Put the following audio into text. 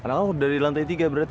anak anak dari lantai tiga berarti